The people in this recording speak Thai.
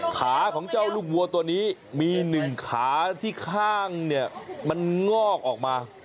ขาของเจ้าลูกวัวตัวนี้มีหนึ่งขาที่ข้างเนี่ยมันงอกออกมา